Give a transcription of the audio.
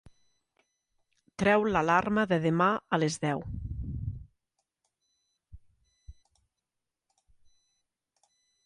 Treu l'alarma de demà a les deu.